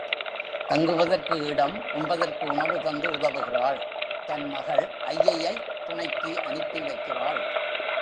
தங்குவதற்கு இடம், உண்பதற்கு உணவு தந்து உதவுகிறாள் தன் மகள் ஐயையைத் துணைக்கு அனுப்பி வைக்கிறாள்.